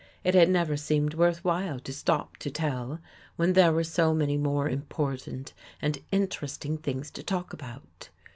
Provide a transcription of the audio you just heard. It had never seemed worth while to stop to tell, when there were so many more important and interesting things to talk about.